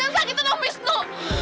jangan sakit dengan om wisnu